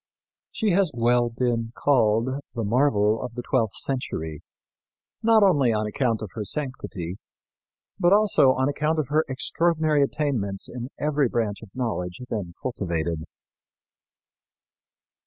She has well been called "the marvel of the twelfth century," not only on account of her sanctity, but also on account of her extraordinary attainments in every branch of knowledge then cultivated.